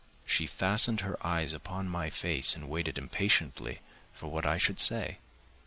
She fastened her eyes upon my face and waited impatiently for what I should say.